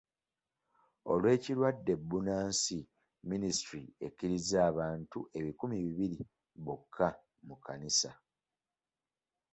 Olw'ekirwadde bbunansi, minisitule ekkiriza abantu ebikumi bibiri bokka mu kkanisa.